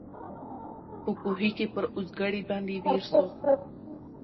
په کوهي کي پر اوزګړي باندي ویر سو